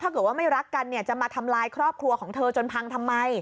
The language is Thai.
ถ้าเกิดว่าไม่รักกันเนี่ยจะมาทำลายครอบครัวของเธอจนพังทำไม